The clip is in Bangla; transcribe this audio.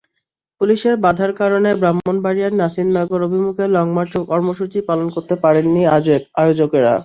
পুলিশের বাধার কারণে ব্রাহ্মণবাড়িয়ার নাসিরনগর অভিমুখে লংমার্চ কর্মসূচি পালন করতে পারেননি আয়োজকেরা।